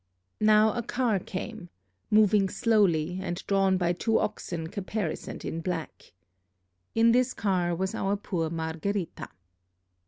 Now a car came, moving slowly and drawn by two oxen caparisoned in black. In this car was our poor Margherita.